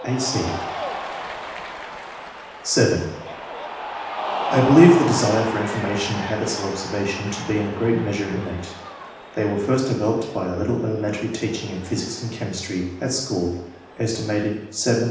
(a, c) (7) " I believe the desire for information and habits of observation to be in a great measure innate. They were first developed by a little elementary teaching in physics and chemistry, at school, set.